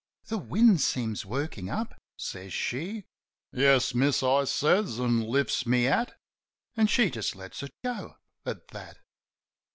"The wind seems workin' up," says she. "Yes, miss," I says, an' lifts me hat. An' she just lets it go at that.